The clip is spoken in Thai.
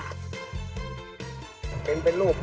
โอ่ยยยขนลุก